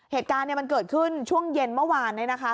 เหตุการณ์มันเกิดขึ้นช่วงเย็นเมื่อวาน